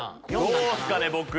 どうっすかね僕。